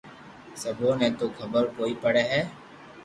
سبو ني تو خبر ڪوئي پڙي ھي